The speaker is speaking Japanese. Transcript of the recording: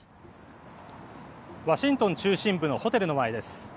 ワシントン中心部のホテルの前です。